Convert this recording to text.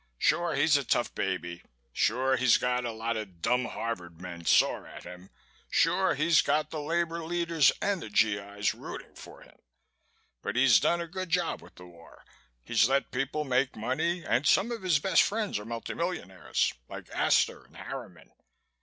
Sure he's a tough baby, sure he's got a lot of dumb Harvard men sore at him, sure he's got the labor leaders and the G.I.'s rooting for him. But he's done a good job with the war, he's let people make money and some of his best friends are multi millionaires, like Astor and Harriman.